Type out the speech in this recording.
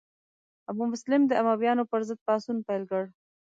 ابو مسلم د امویانو پر ضد پاڅون پیل کړ.